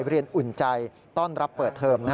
เพื่อเรียนอุ่นใจต้อนรับเปิดเทรม